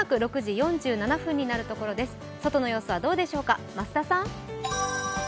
外の様子はどうでしょうか増田さん。